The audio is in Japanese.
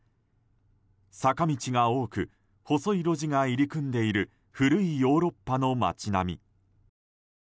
坂道が多く細い路地が入り組んでいる古いヨーロッパの町並み。